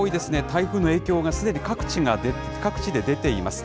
台風の影響がすでに各地で出ています。